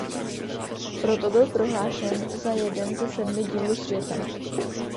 Proto byl prohlášen za jeden ze sedmi divů světa.